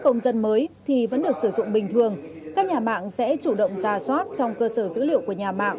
công dân mới thì vẫn được sử dụng bình thường các nhà mạng sẽ chủ động ra soát trong cơ sở dữ liệu của nhà mạng